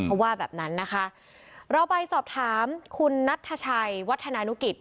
เขาว่าแบบนั้นนะคะเราไปสอบถามคุณนัทชัยวัฒนานุกิจ